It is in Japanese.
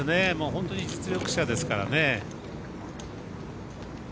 本当に実力者ですからね。